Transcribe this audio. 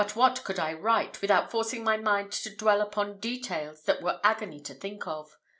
What could I write, without forcing my mind to dwell upon details that were agony to think of?